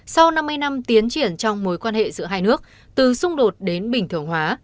sau năm mươi năm tiến triển trong mối quan hệ giữa hai nước từ xung đột đến bình thường hóa